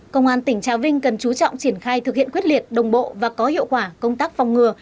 công an tỉnh trà vinh cần chú trọng triển khai thực hiện quyết liệt đồng bộ và có hiệu quả công tác phòng ngừa